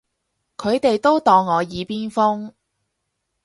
佢哋都當我耳邊風